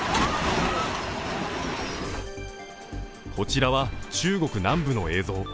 こちらは中国南部の映像。